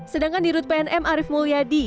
sedangkan dirut pnm arief mulyadi